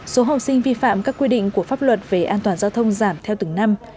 số học sinh vi phạm các quy định của pháp luật về an toàn giao thông giảm theo từng năm